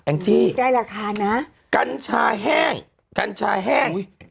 แอ้งจี้ได้ราคานะกัญชาแห้งกัญชาแห้ง